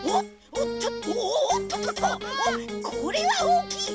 おっこれはおおきい！